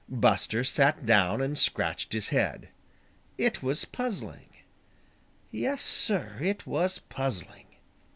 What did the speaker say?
Buster sat down and scratched his head. It was puzzling. Yes, Sir, it was puzzling.